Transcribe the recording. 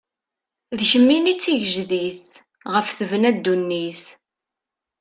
D kemmini i d tigejdit, ɣef tebna ddunit.